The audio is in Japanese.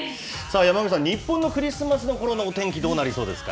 山神さん、日本のクリスマスのころのお天気、どうなりそうですか。